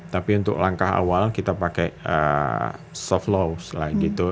tapi untuk langkah awal kita pakai soft laws lah gitu